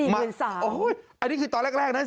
๔๓๐๐๐บาทอ๋อหุ้ยอันนี้คือตอนแรกนะ